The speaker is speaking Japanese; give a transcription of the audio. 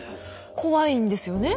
怖いんですよね？